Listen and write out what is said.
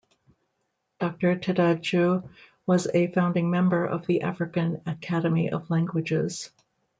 Doctor Tadadjeu was a founding member of the African Academy of Languages.